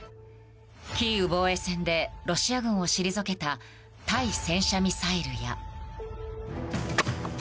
キーウ防衛戦でロシア軍を退けた対戦車ミサイルや。